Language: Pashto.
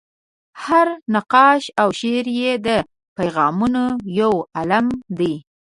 هره نقاشي او شعر یې د پیغامونو یو عالم دی.